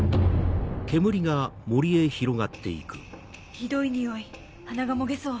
ひどいにおい鼻がもげそう。